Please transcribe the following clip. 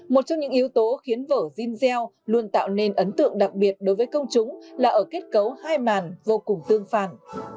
một trong những yếu tố khiến vở jean gell luôn tạo nên ấn tượng đặc biệt đối với công chúng là ở kết cấu hai màn vô cùng tương phản